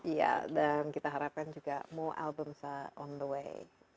iya dan kita harapkan juga mau albumsa on the way